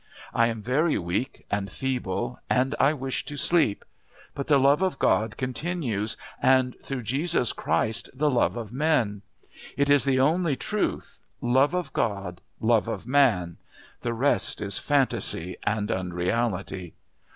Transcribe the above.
I am very weak and feeble and I wish to sleep.... But the love of God continues, and through Jesus Christ, the love of men. It is the only truth love of God, love of man the rest is fantasy and unreality.